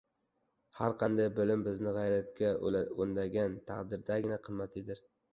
Har qanday bilim bizni g‘ayratga undagan taqdirdagina qimmatlidir.